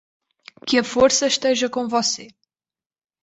Que a força esteja com você!